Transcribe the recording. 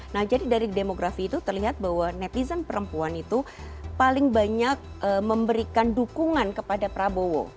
nah jadi dari demografi itu terlihat bahwa netizen perempuan itu paling banyak memberikan dukungan kepada prabowo